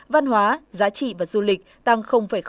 văn hóa giá trị và du lịch tăng năm